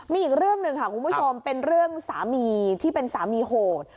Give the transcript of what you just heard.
มีอีกเรื่องหนึ่งค่ะคุณผู้ชมเป็นเรื่องสามีที่เป็นสามีโหด